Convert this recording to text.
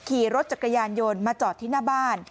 ขี่รถจักรยานยนต์มาจอดที่หน้าบ้าน